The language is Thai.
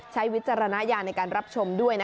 ใช้วิจารณญาในการรับชมด้วยนะฮะ